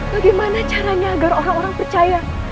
bagaimana caranya agar orang orang percaya